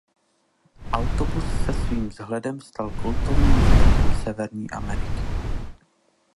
Autobus se svým vzhledem stal kultovním znakem Severní Ameriky.